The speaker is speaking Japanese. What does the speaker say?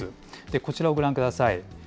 こちらをご覧ください。